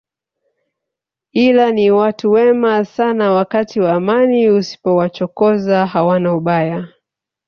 Ila ni watu wema sana wakati wa amani usipowachokoza hawana ubaya